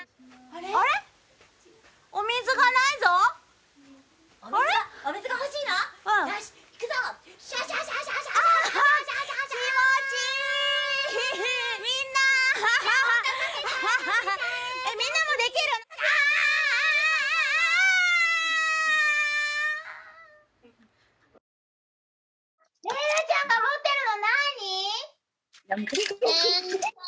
「れいらちゃんが持ってるの何？」